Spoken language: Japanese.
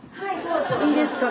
いいですか？